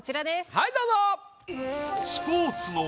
はいどうぞ。